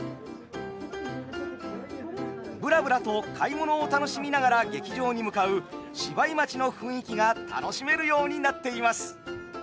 ぶらぶらと買い物を楽しみながら劇場に向かう芝居待ちの雰囲気が楽しめるようになっています。